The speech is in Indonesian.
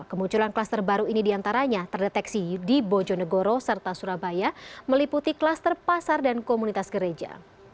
kemunculan kluster baru ini diantaranya terdeteksi di bojonegoro serta surabaya meliputi kluster pasar dan komunitas gereja